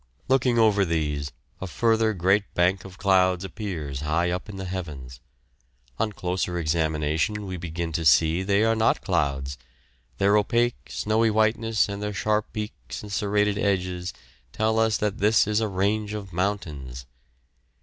Looking over these, a further great bank of clouds appears high up in the heavens. On closer examination we begin to see they are not clouds; their opaque, snowy whiteness and their sharp peaks and serrated edges tell us that this is a range of mountains.